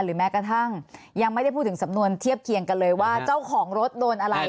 แม้กระทั่งยังไม่ได้พูดถึงสำนวนเทียบเคียงกันเลยว่าเจ้าของรถโดนอะไร